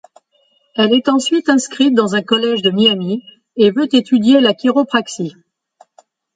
Elle est ensuite inscrite dans un collège de Miami et veut étudier la chiropractie.